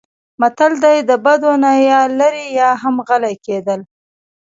متل دی: د بدو نه یا لرې یا هم غلی کېدل.